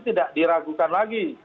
tidak diragukan lagi